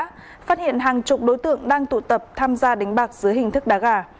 phát hiện hàng chục đối tượng đang tụ tập tham gia đánh bạc dưới hình thức đá gà